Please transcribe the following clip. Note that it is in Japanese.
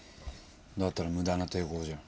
だったら無駄な抵抗じゃん。